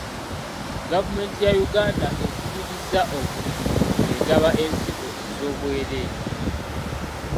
Gavumenti ya Uganda ekubiriza obulimi ng'egaba ensigo ez'obwereere.